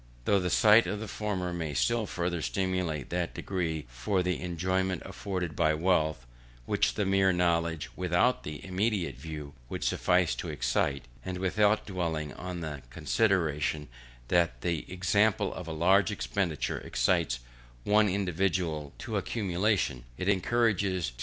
Though the sight of the former may still further stimulate that desire for the enjoyments afforded by wealth, which the mere knowledge, without the immediate view, would suffice to excite (and without dwelling on the consideration that if the example of a large expenditure excites one individual to accumulation, it encourages t